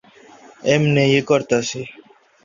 তার মূল আগ্রহের বিষয় ছিল আফগান সমস্যা।